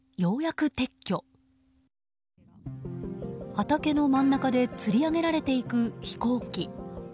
畑の真ん中でつり上げられていく飛行機。